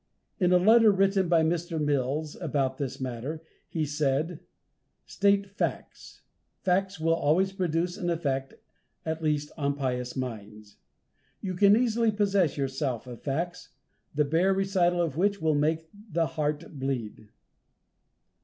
In a letter written by Mr. Mills about this matter, he said: "State facts. Facts will always produce an effect, at least on pious minds. You can easily possess yourself of facts, the bare recital of which will make the heart bleed."